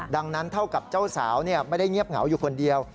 ดังนั้นเท่ากับเจ้าสาวไม่ได้เงียบเหงาอยู่คนเดียว